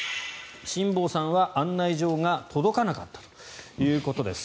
辛坊さんは案内状が届かなかったということです。